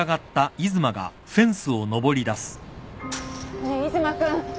ねえ出馬君